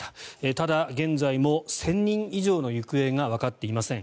ただ、現在も１０００人以上の行方がわかっていません。